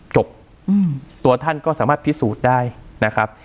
ตัวท่านก็สามารถพิสูจน์ได้นะครับ